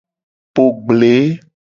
Po gble.